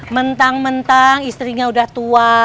mentang mentang istrinya udah tua